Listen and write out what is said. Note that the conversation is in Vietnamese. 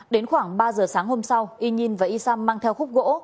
đến khoảng ba giờ sáng hôm sau y nhin và y sam mang theo khúc gỗ